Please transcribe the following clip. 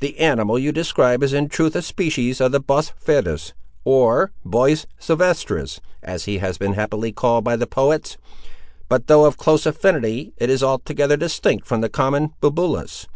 The animal you describe is in truth a species of the bos ferus, (or bos sylvestris, as he has been happily called by the poets,) but, though of close affinity, it is altogether distinct from the common bubulus.